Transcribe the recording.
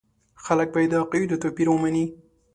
خلک باید د عقایدو توپیر ومني.